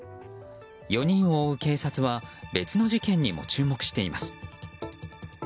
４人を追う警察は別の事件にも注目しています。